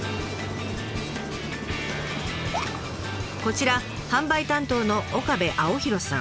こちら販売担当の岡部青洋さん。